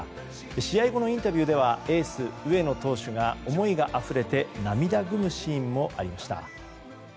試合後のインタビューではエース上野投手が思いがあふれて涙ぐむシーンもありました。